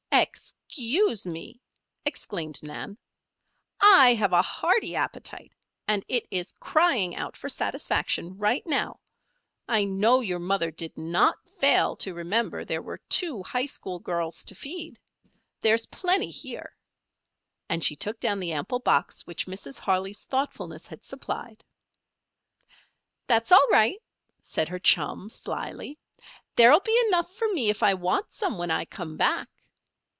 "Ex cuse me!" exclaimed Nan. "I have a hearty appetite and it is crying out for satisfaction right now. I know your mother did not fail to remember there were two high school girls to feed. There is plenty here," and she took down the ample box which Mrs. Harley's thoughtfulness had supplied. "That's all right," said her chum, slily. "There will be enough for me if I want some when I come back."